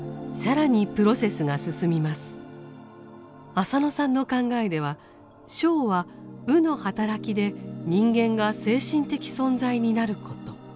浅野さんの考えでは「生」は「有」の働きで人間が精神的存在になること。